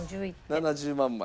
７０万枚。